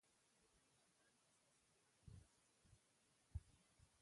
د ددوى په اند اساسي علت يې د ښځې جسم دى.